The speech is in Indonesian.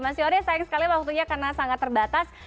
mas yoris sayang sekali waktunya karena sangat terbatas